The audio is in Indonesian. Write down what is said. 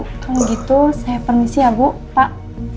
kalau begitu saya permisi ya bu pak